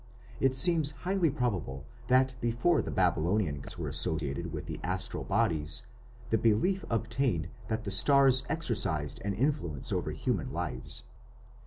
It seems highly probable that before the Babylonian gods were associated with the astral bodies, the belief obtained that the stars exercised an influence over human lives.